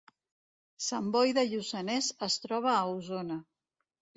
Sant Boi de Lluçanès es troba a Osona